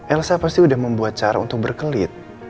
elva pasti udah membuat cara untuk berkelit